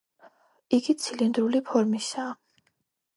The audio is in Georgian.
იგი ცილინდრული ფორმისაა.